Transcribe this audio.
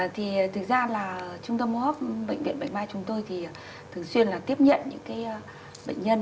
thì thực ra là trung tâm hô hấp bệnh viện bệnh vai chúng tôi thì thường xuyên là tiếp nhận những bệnh nhân